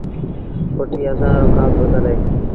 ڦُٽيٚ اسآݩ رو کآس ڦسل اهي